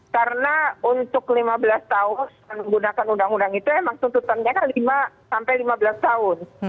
karena untuk lima belas tahun menggunakan undang undang itu emang tuntutannya kan lima sampai lima belas tahun